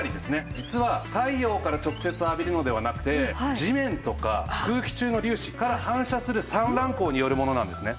実は太陽から直接浴びるのではなくて地面とか空気中の粒子から反射する散乱光によるものなんですね。